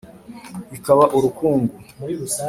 Ikaba urukungu.